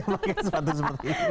pakai sepatu seperti ini